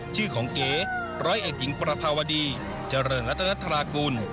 ชื่อของเก๋ร้อยเอกหญิงประภาวดีเจริญรัตนธรากุล